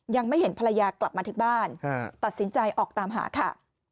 ยังไม่เห็นภรรยากลับมาถึงบ้านตัดสินใจออกตามหาค่ะ